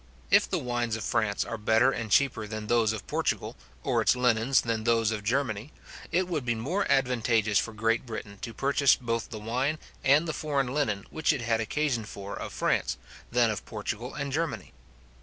If the wines of France are better and cheaper than those of Portugal, or its linens than those of Germany, it would be more advantageous for Great Britain to purchase both the wine and the foreign linen which it had occasion for of France, than of Portugal and Germany.